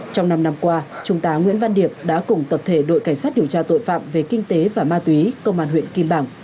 trong năm năm qua trung tá nguyễn văn điệp đã cùng tập thể đội cảnh sát điều tra tội phạm về kinh tế và ma túy công an huyện kim bảng